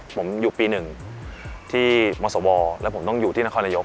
ผมอยู่ปี๑ที่มศวแล้วผมต้องอยู่ที่นครนายก